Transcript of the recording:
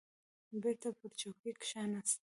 بېرته پر چوکۍ کښېناست.